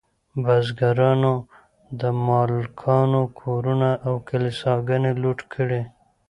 بزګرانو د مالکانو کورونه او کلیساګانې لوټ کړې.